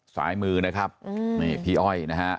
สายมือนะครับนี่พี่อ้อยนะฮะ